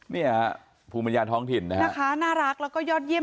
เนี่ยภูมิปัญญาท้องถิ่นนะคะน่ารักแล้วก็ยอดเยี่